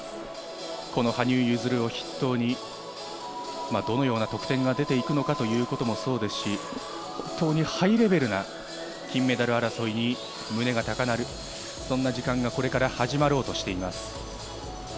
羽生結弦を筆頭にどのような得点が出て行くのかというところもそうですし、本当にハイレベルな金メダル争いに胸が高鳴る、そんな時間がこれから始まろうとしています。